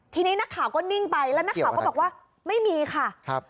ทีนี้นักข่าวก็นิ่งไปแล้วนักข่าวก็บอกว่าไม่มีค่ะครับ